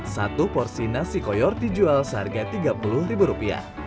satu porsi nasi koyor dijual seharga rp tiga puluh